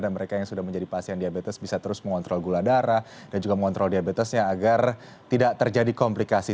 dan mereka yang sudah menjadi pasien diabetes bisa terus mengontrol gula darah dan juga mengontrol diabetesnya agar tidak terjadi komplikasi